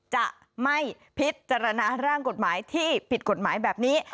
จะไม่พิจารณาร่างกฎหมายที่ผิดกฎหมายแบบนี้